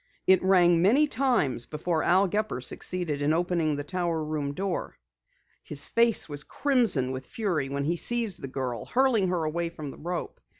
It rang many times before Al Gepper succeeded in opening the tower room door. His face was crimson with fury when he seized the girl, hurling her away from the rope.